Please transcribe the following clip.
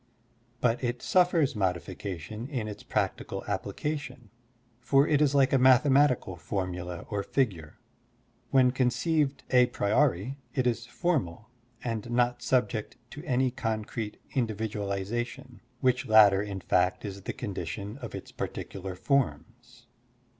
But it suffers modification in its practical application, for it is like a mathematical formula or figure. When conceived a priori, it is formal and not subject to any concrete individu alization, which latter in fact is the condition of its particular forms.